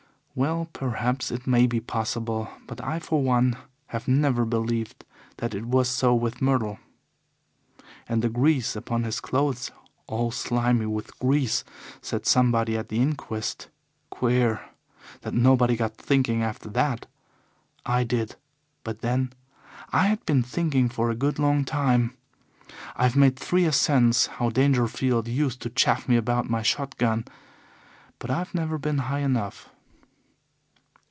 Well, perhaps it may be possible, but I, for one, have never believed that it was so with Myrtle. And the grease upon his clothes 'all slimy with grease,' said somebody at the inquest. Queer that nobody got thinking after that! I did but, then, I had been thinking for a good long time. I've made three ascents how Dangerfield used to chaff me about my shot gun but I've never been high enough.